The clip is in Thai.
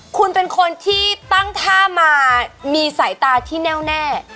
คุณเป็นคนที่ตั้งท่ามามีสายตาที่แน่วแน่